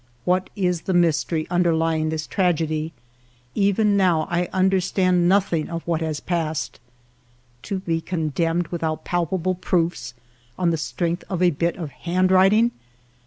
What is the mystery underly ing this tragedy? Even now I understand noth ing of what has passed. To be condemned without palpable proofs, on the strength of a bit of handwriting